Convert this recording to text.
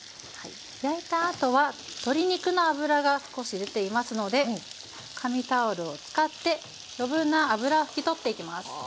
焼いたあとは鶏肉の脂が少し出ていますので紙タオルを使って余分な脂拭き取っていきます。